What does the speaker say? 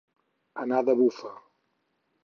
Anar de bufa.